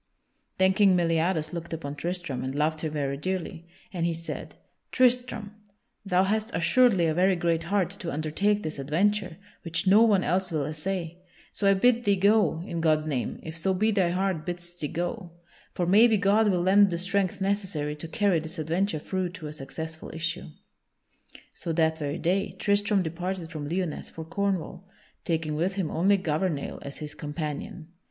Then King Meliadus looked upon Tristram and loved him very dearly, and he said: "Tristram, thou hast assuredly a very great heart to undertake this adventure, which no one else will essay. So I bid thee go, in God's name, if so be thy heart bids thee to go. For maybe God will lend the strength necessary to carry this adventure through to a successful issue." So that very day Tristram departed from Lyonesse for Cornwall, taking with him only Gouvernail as his companion.